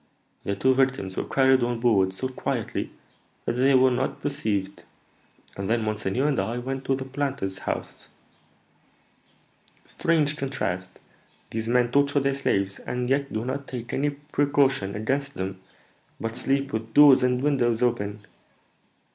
The two victims were carried on board so quietly that they were not perceived; and then monseigneur and I went to the planter's house. Strange contrast! These men torture their slaves, and yet do not take any precaution against them, but sleep with doors and windows open.